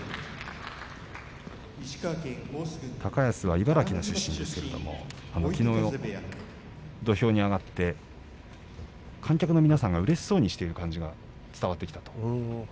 高安は茨城の出身ですけれどもきのう土俵に上がって観客の皆さんがうれしそうにしている感じが伝わってきたと。